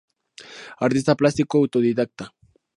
Artista plástico autodidacta.